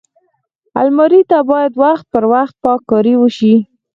الماري ته باید وخت پر وخت پاک کاری وشي